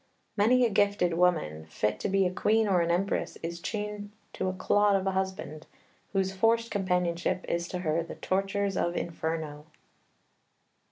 Many a gifted woman, fit to be a queen or an empress, is chained to a clod of a husband, whose forced companionship is to her the tortures of Inferno."